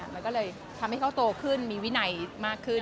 มันก็เลยทำให้เขาโตขึ้นมีวินัยมากขึ้น